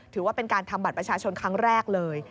ถือว่าเป็นการทำบัตรประชาชนครั้งแรกเลย